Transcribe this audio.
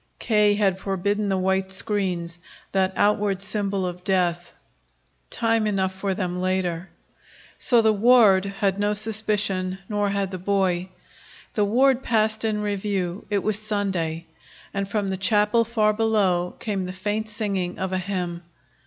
K. had forbidden the white screens, that outward symbol of death. Time enough for them later. So the ward had no suspicion, nor had the boy. The ward passed in review. It was Sunday, and from the chapel far below came the faint singing of a hymn.